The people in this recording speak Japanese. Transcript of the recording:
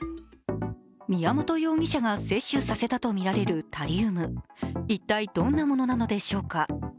宮本容疑者が摂取させたとみられるタリウム、一体どんなものなのでしょうか。